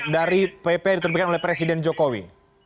dari pp yang diterbitkan oleh presiden jokowi